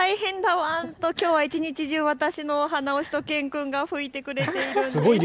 ワンときょうは一日中、私のお鼻をしゅと犬くんが拭いてくれているんです。